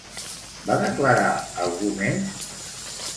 Va declarar algú més?